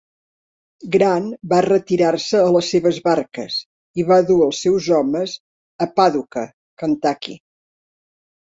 Grant va retirar-se a les seves barques i va dur els seus homes a Paducah, Kentucky.